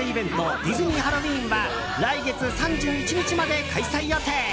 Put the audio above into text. ディズニー・ハロウィーンは来月３１日まで開催予定。